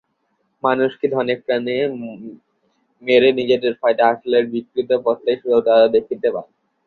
মানুষকে ধনে-প্রাণে মেরে নিজেদের ফায়দা হাসিলের বিকৃত পথটাই শুধু তাঁরা দেখতে পান।